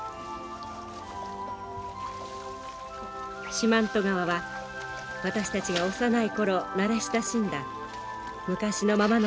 四万十川は私たちが幼い頃慣れ親しんだ昔のままの川でした。